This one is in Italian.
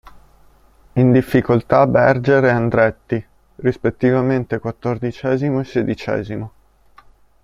In difficoltà Berger e Andretti, rispettivamente quattordicesimo e sedicesimo.